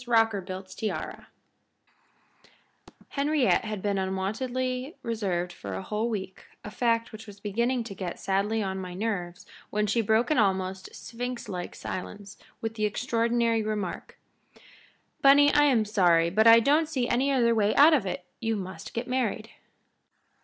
ROCKERBILT'S TIARA Henriette had been unwontedly reserved for a whole week, a fact which was beginning to get sadly on my nerves when she broke an almost Sphinxlike silence with the extraordinary remark: "Bunny, I am sorry, but I don't see any other way out of it. You must get married."